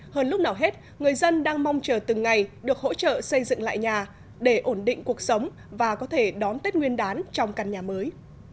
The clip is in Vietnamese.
hơn lúc nào hết người dân đang mong chờ từng ngày được hỗ trợ xây dựng lại nhà để ổn định cuộc sống và có thể đón tết nguyên đán trong căn nhà mới